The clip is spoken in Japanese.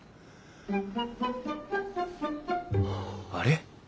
あれ？